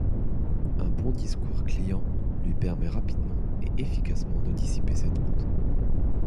Un bon discours client lui permet rapidement et efficacement de dissiper ses doutes.